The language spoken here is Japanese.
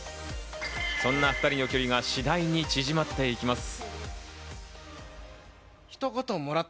そんな２人の距離が次第に縮まっていきます。